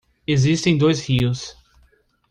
Existem dois rios